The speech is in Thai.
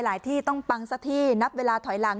ที่ต้องปังสักที่นับเวลาถอยหลัง